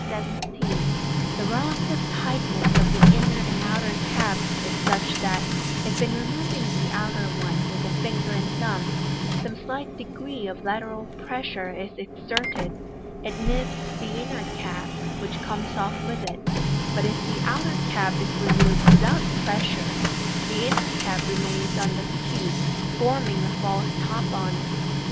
The relative tight ness of the inner and outer caps is such that, if in removing the outer one with the finger and thumb some slight degree of lateral pressure is exerted, it nips the inner cap, which comes off with it 3 but if the outer cap is removed without pressure, the inner cap remains on the tube, forming a false top to it.